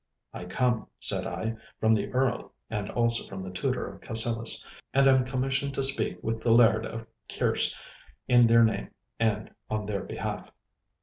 'I come,' said I, 'from the Earl and also from the Tutor of Cassillis, and am commissioned to speak with the Laird of Kerse in their name and on their behalf.